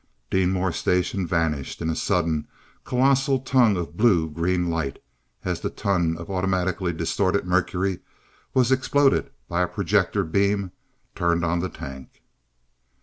Deenmor station vanished in a sudden, colossal tongue of blue green light as the ton of atomically distorted mercury was exploded by a projector beam turned on the tank.